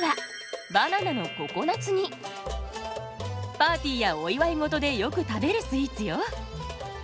パーティーやお祝い事でよく食べるスイーツよ。